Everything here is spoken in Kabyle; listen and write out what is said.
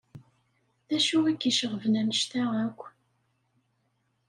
D acu k-iceɣben anect-a akk?